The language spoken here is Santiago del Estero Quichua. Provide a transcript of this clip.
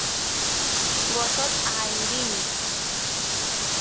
gorrot aay rini